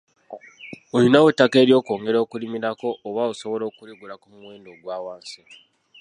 Olinawo ettaka ery’okwongera okulimirako oba osobola okuligula ku muwendo ogwa wansi?